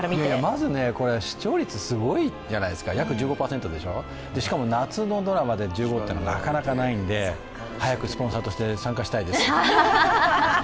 まずね、これ、視聴率すごいじゃないですか約１５％でしょ、しかも夏のドラマで１５って、なかなかないので早くスポンサーとして参加したいです。